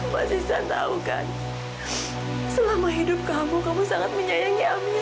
mas iksan tahu kan selama hidup kamu kamu sangat menyayangi amira